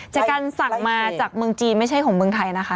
จากการสั่งมาจากเมืองจีนไม่ใช่ของเมืองไทยนะคะ